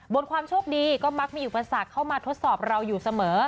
ความโชคดีก็มักมีอุปสรรคเข้ามาทดสอบเราอยู่เสมอ